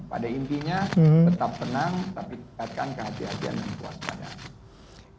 pada intinya tetap tenang tapi tepatkan kehatian dan kekuatannya